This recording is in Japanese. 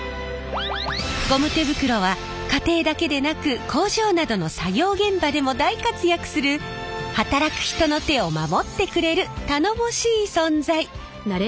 ゴム手袋は家庭だけでなく工場などの作業現場でも大活躍する働く人の手を守ってくれる頼もしい存在。